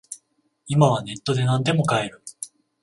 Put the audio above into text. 今はネットでなんでも買える